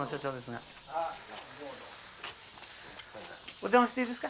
お邪魔していいですか？